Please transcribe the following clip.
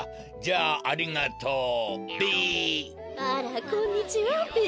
あらこんにちはべ。